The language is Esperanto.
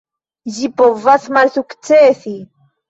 Ĝi povas malsukcesi.